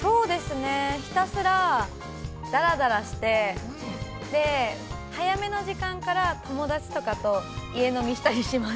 ◆ひたすらだらだらして、早めの時間から友達とかと家飲みしたりします。